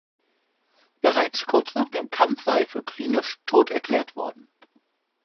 Bereits kurz nach dem Kampf war er für klinisch tot erklärt worden.